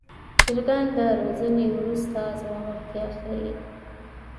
چرګان د روزنې وروسته زړورتیا ښيي.